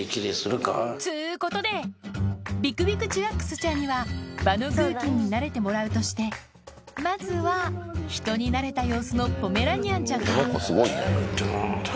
つうことでビクビクチワックスちゃんには場の空気に慣れてもらうとしてまずは人になれた様子のポメラニアンちゃんからドンと。